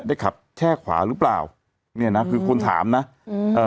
ขับแช่ขวาหรือเปล่าเนี่ยนะคือคนถามนะอืมเอ่อ